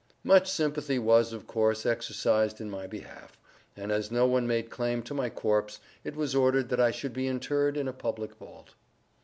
Much sympathy was, of course, exercised in my behalf, and as no one made claim to my corpse, it was ordered that I should be interred in a public vault.